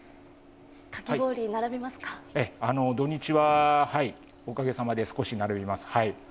土日はおかげさまで少し並びます。